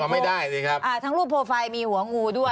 ไม่ได้สิครับอ่าทั้งรูปโปรไฟล์มีหัวงูด้วย